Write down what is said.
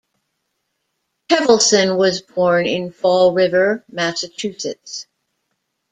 Kevelson was born in Fall River, Massachusetts.